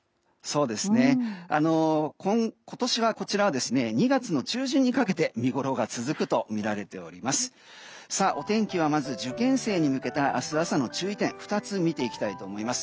今年はこちらは２月の中旬にかけて見ごろが続くとみられています。